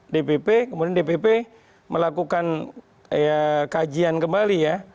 dpp kemudian dpp melakukan kajian kembali ya